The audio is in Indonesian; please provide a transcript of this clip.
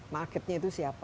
marketnya itu siapa